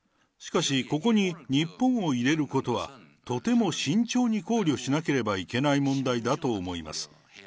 しかし、ここに日本を入れることは、とても慎重に考慮しなければいけない問題だと思います。